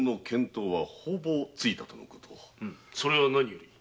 それはなにより。